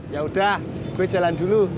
ya udah gue jalan dulu